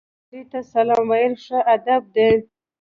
ګاونډي ته سلام ویل ښو ادب دی